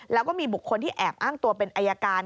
แล้วก็มีบุคคลที่แอบอ้างตัวเป็นอายการ